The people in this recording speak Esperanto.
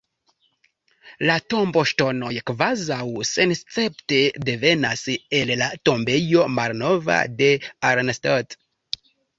La tomboŝtonoj kvazaŭ senescepte devenas el la Tombejo malnova de Arnstadt.